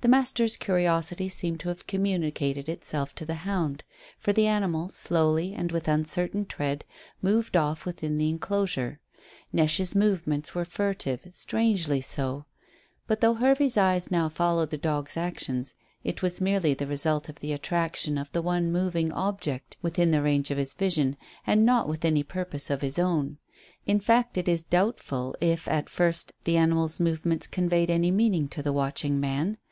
The master's curiosity seemed to have communicated itself to the hound, for the animal slowly, and with uncertain tread, moved off within the enclosure. Neche's movements were furtive; strangely so. But though Hervey's eyes now followed the dog's actions, it was merely the result of the attraction of the one moving object within the range of his vision, and not with any purpose of his own. In fact, it is doubtful if, at first, the animal's movements conveyed any meaning to the watching man.